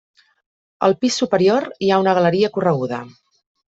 Al pis superior hi ha una galeria correguda.